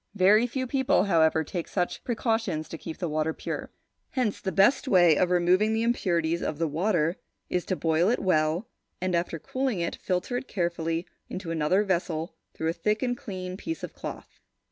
Very few people, however, take such precautions to keep the water pure. Hence the best way of removing the impurities of the water is to boil it well, and, after cooling it, filter it carefully into another vessel through a thick and clean piece of cloth.